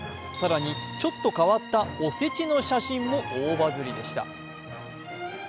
更に、ちょっと変わったおせちの写真も大バズりでした。